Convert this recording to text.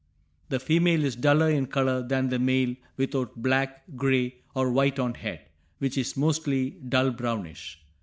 The female is duller in color than the male without black, gray, or white on head, which is mostly dull brownish.